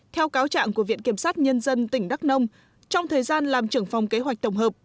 theo cáo trạng của viện kiểm sát nhân dân tỉnh đắk nông trong thời gian làm trưởng phòng kế hoạch tổng hợp